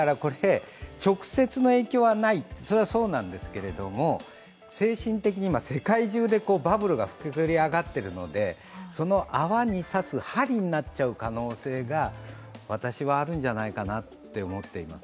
直接の影響はない、それはそうなんですけれども、精神的に今、世界中で、バブルが膨れ上がっているのでその泡に刺す針になっちゃう可能性が私はあるんじゃないかなと思ってます。